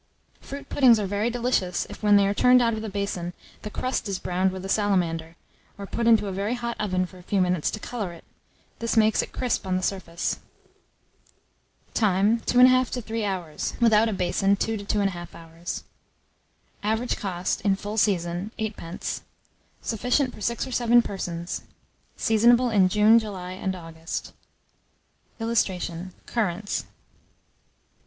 Fruit puddings are very delicious if, when they are turned out of the basin, the crust is browned with a salamander, or put into a very hot oven for a few minutes to colour it: this makes it crisp on the surface. Time. 2 1/2 to 3 hours; without a basin, 2 to 2 1/2 hours. Average cost, in full season, 8d. Sufficient for 6 or 7 persons. Seasonable in June, July, and August. [Illustration: CURRANTS.